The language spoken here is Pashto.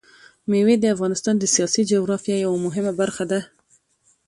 مېوې د افغانستان د سیاسي جغرافیه یوه مهمه برخه ده.